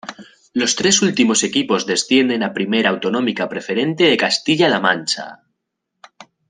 Los tres últimos equipos descienden a Primera Autonómica Preferente de Castilla-La Mancha.